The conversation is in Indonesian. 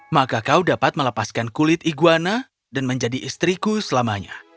maka kau dapat melepaskan kulit iguana dan menjadi istriku selamanya